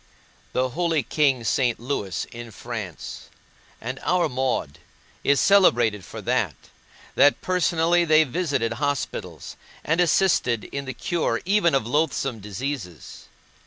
The holy king St. Louis, in France, and our Maud, is celebrated for that, that personally they visited hospitals, and assisted in the cure even of loathsome diseases.